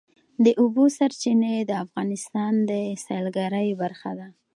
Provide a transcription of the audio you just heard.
د اوبو سرچینې د افغانستان د سیلګرۍ برخه ده.